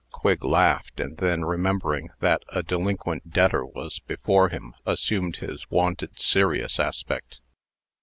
Quigg laughed; and then remembering that a delinquent debtor was before him, assumed his wonted serious aspect.